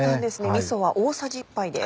みそは大さじ１杯です。